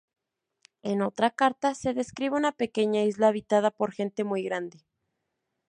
En otra carta, se describe una pequeña isla habitada por gente muy grande.